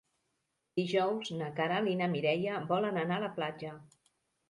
Dijous na Queralt i na Mireia volen anar a la platja.